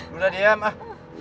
mudah diem ah